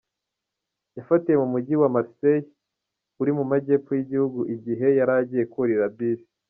Yafatiwe mu mujyi wa Marseilles uri mu majyepfo y’igihugu igihe yaragiye kurira bus.